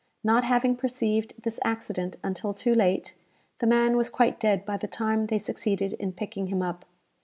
Not having perceived this accident until too late, the man was quite dead by the time they succeeded in picking him up.